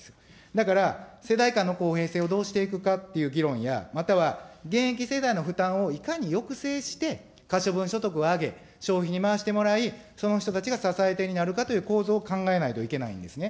だから、世代間の公平性をどうしていくかっていう議論や、または現役世代の負担をいかに抑制して、可処分所得を上げ、消費に回してもらい、その人たちが支え手になるかという構造を考えないといけないんですね。